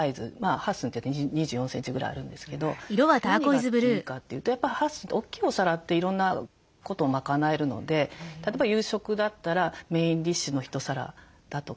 ８寸って２４センチぐらいあるんですけど何がいいかというとやっぱ８寸って大きいお皿っていろんなことを賄えるので例えば夕食だったらメインディッシュの１皿だとか。